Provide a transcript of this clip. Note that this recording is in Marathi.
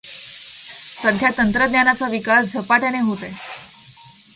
सध्या तंत्रज्ञानाचा विकास झपाट्याने होत आहे.